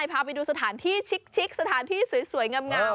พาไปดูสถานที่ชิกสถานที่สวยงาม